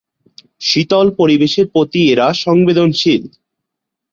শীতল পরিবেশের প্রতি এরা সংবেদনশীল।